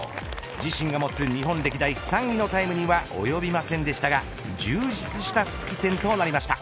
自身が持つ日本歴代３位のタイムには及びませんでしたが充実した復帰戦となりました。